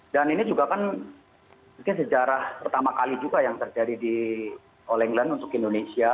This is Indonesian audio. dan ini juga kan sejarah pertama kali juga yang terjadi di all england untuk indonesia